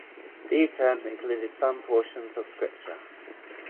These items included some portions of Scripture.